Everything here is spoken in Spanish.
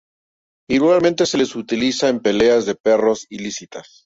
Igualmente se les utiliza en peleas de perros ilícitas.